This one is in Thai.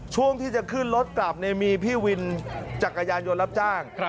ช่วงที่จะขึ้นรถกลับมีพี่วินจักรยานยนต์รับจ้าง